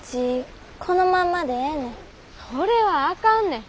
それはあかんねん。